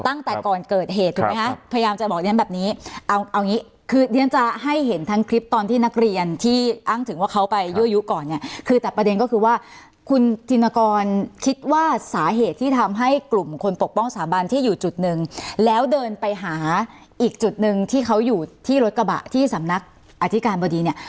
ตั้งแต่ก่อนเกิดเหตุถูกไหมคะพยายามจะบอกเรียนแบบนี้เอาเอางี้คือเรียนจะให้เห็นทั้งคลิปตอนที่นักเรียนที่อ้างถึงว่าเขาไปยั่วยุก่อนเนี่ยคือแต่ประเด็นก็คือว่าคุณธินกรคิดว่าสาเหตุที่ทำให้กลุ่มคนปกป้องสถาบันที่อยู่จุดหนึ่งแล้วเดินไปหาอีกจุดหนึ่งที่เขาอยู่ที่รถกระบะที่สำนักอธิการบดีเนี่ย